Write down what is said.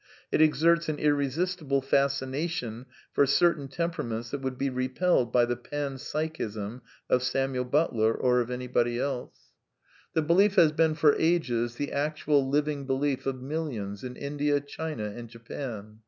It exerts an irre sistible fascination for certain temperaments that would be repelled by the Pan Psychism of Samuel Butler or of anybody else. ') CONCLUSIONS Sir The belief has been for ages the actual, living belief of millions in India, China and Japan.